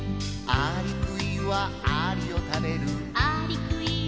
「アリクイをアリも食べる」